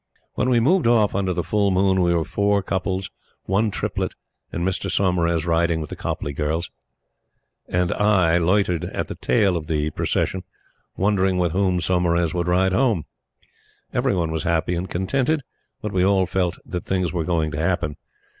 When we moved off under the full moon we were four couples, one triplet, and Mr. Saumarez rode with the Copleigh girls, and I loitered at the tail of the procession, wondering with whom Saumarez would ride home. Every one was happy and contented; but we all felt that things were going to happen.